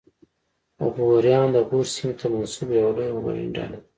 غوریان د غور سیمې ته منسوب یوه لویه وګړنۍ ډله ده